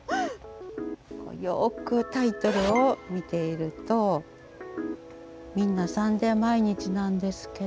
よくタイトルを見ているとみんな「サンデー毎日」なんですけども。